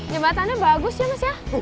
jembatannya bagus ya mas